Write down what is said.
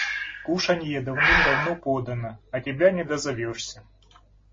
– Кушанье давным-давно подано, а тебя не дозовешься».